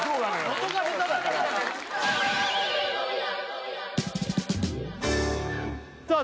もとが下手だからさあ